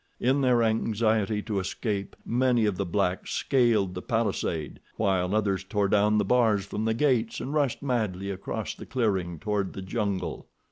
In their anxiety to escape, many of the blacks scaled the palisade, while others tore down the bars from the gates and rushed madly across the clearing toward the jungle.